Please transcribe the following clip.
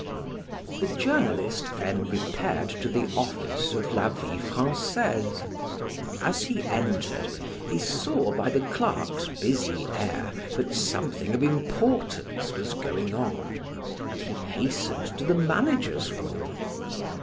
The journalist then repaired to the office of "La Vie Francaise." As he entered he saw by the clerks' busy air that something of importance was going on, and he hastened to the manager's room.